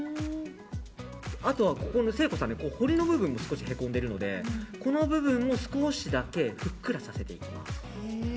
あとは、誠子さん彫りの部分がへこんでいるのでこの部分を少しだけふっくらさせていきます。